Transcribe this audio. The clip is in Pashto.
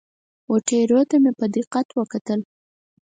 وه ټیرو ته مې په دقت وکتل.